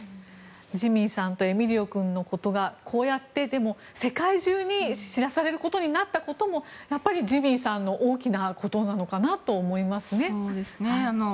ジミーさんとエミリオ君のことがこうやって世界中に知らされることになったこともやっぱり、ジミーさんの大きなことなのかなと思います。